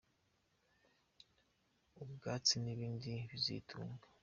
ubwatsi n’ibindi bizitunga.